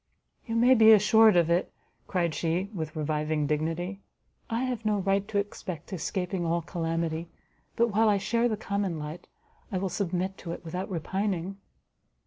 "You may, be assured of it," cried she, with reviving dignity, "I have no right to expect escaping all calamity, but while I share the common lot, I will submit to it without repining."